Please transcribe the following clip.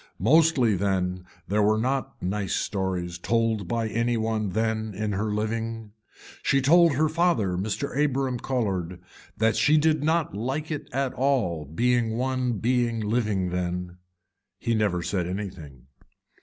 Mostly then there were not nice stories told by any one then in her living. She told her father Mr. Abram Colhard that she did not like it at all being one being living then. He never said anything.